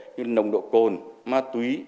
nồng độ cồn ma túy